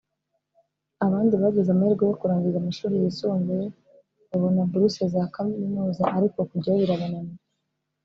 abandi bagize amahirwe yo kurangiza amashuri yisumbuye babona buruse za kaminuza ariko kujyayo birabananira